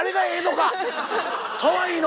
かわいいの？